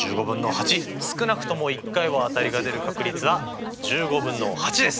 少なくとも１回は当たりが出る確率は１５分の８です！